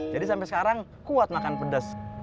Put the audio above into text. jadi sampai sekarang kuat makan pedas